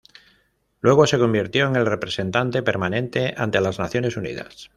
Luego se convirtió en el representante permanente ante las Naciones Unidas.